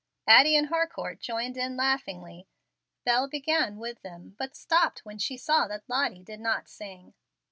Addie and Harcourt joined in laughingly. Bel began with them, but stopped when she saw that Lottie did not sing.